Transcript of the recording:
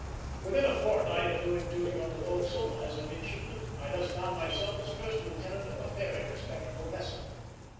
Within a fortnight of doing duty on the forecastle, as a midshipman, I thus found myself first lieutenant of a very respectable vessel.